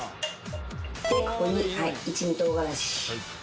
でここにはい一味唐辛子。